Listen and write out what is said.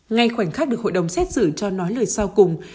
ngay khoảnh khắc được hội đồng xét xử cho nói lời sau cùng